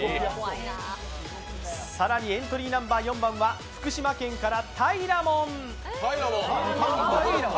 更にエントリーナンバー４番は福島県から、たいらもん。